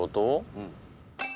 うん。